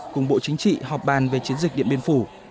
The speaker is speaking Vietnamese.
cùng bộ chính trị họp bàn về chiến dịch điện biên phủ